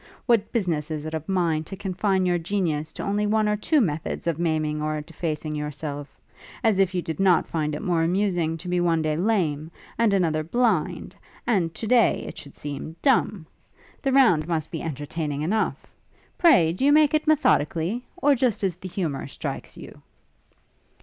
What business is it of mine to confine your genius to only one or two methods of maiming or defacing yourself? as if you did not find it more amusing to be one day lame, and another blind; and, to day, it should seem, dumb? The round must be entertaining enough. Pray do you make it methodically? or just as the humour strikes you?'